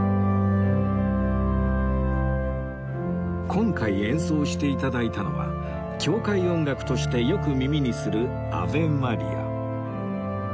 今回演奏して頂いたのは教会音楽としてよく耳にする『アヴェ・マリア』